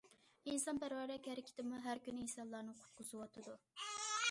ئىنسانپەرۋەرلىك ھەرىكىتىمۇ ھەر كۈنى ئىنسانلارنى قۇتقۇزۇۋاتىدۇ.